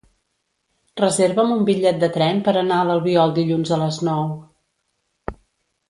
Reserva'm un bitllet de tren per anar a l'Albiol dilluns a les nou.